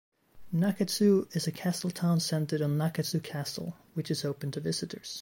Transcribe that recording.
Nakatsu is a castle town centered on Nakatsu Castle, which is open to visitors.